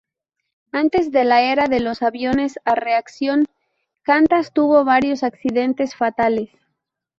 Antes de la era de los aviones a reacción, Qantas tuvo varios accidentes fatales.